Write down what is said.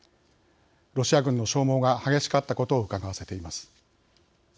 ロシア軍の消耗が激しかったことをうかがわせています。